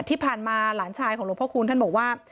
ที่ผ่านมาหลานชายของหลวงพ่อคูณท่านบอกว่า